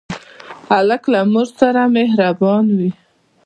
هلک له مور سره مهربان وي.